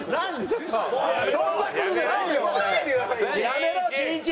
やめろしんいち！